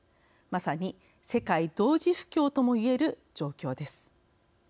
まさに世界同時不況ともいえる状況です。